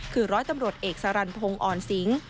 คือรตเอกซะรันพงศ์อ่อนศิง